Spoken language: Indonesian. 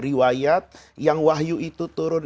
riwayat yang wahyu itu turun